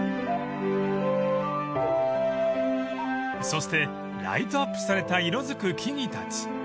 ［そしてライトアップされた色づく木々たち］